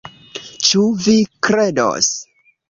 Ĉu vi kredos?